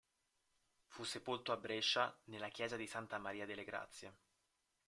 Fu sepolto a Brescia, nella chiesa di Santa Maria delle Grazie.